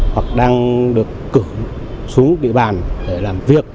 hoặc đang được cử xuống địa bàn để làm việc